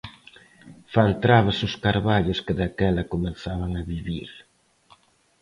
Fan trabes os carballos que daquela comezaban a vivir.